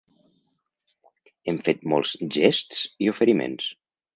Hem fet molts gests i oferiments.